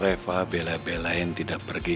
reva bela belain tidak pergi